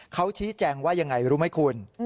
เขาชี้แจงว่ายังไงรู้ไหมคุณ